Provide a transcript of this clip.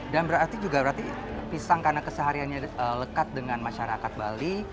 dan berarti juga pisang karena kesehariannya lekat dengan masyarakat bali